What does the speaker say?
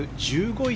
１５位